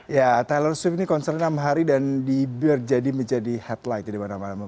ya taylor swift ini konser enam hari dan diberjadi menjadi headlight di mana mana